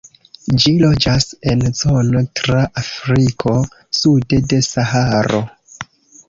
Ĝi loĝas en zono tra Afriko sude de Saharo.